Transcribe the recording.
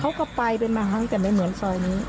เขาก็ไปเป็นบางครั้งแต่ไม่เหมือนซอยนี้